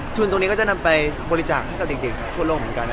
ตรงนี้ก็จะนำไปบริจาคให้กับเด็กทั่วโลกเหมือนกัน